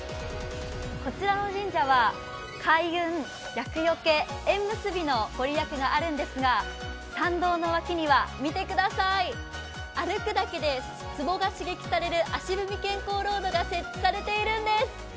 こちらの神社は開運、厄よけ縁結びの御利益があるんですが、参道の脇には、歩くだけでつぼが刺激される足踏み健康ロードが設置されているんです。